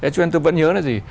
cho nên tôi vẫn nhớ là gì